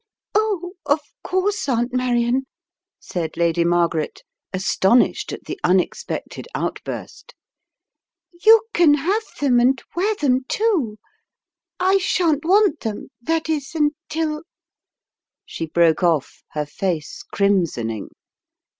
"Oh, of course, Aunt Marion," said Lady Mar 70 The Riddle of the Purple Emperor garet, astonished at the unexpected outburst. "You can have them and wear them, too. I shan't want them, that is, until " she broke off, her face crimsoning.